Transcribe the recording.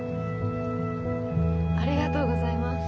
ありがとうございます。